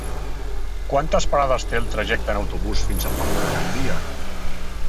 Quantes parades té el trajecte en autobús fins a Palma de Gandia?